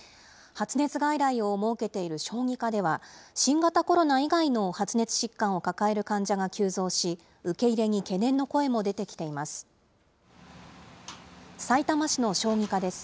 発熱外来を設けている小児科では、新型コロナ以外での発熱疾患を抱える患者が急増し、受け入れに懸念の声も出てきています。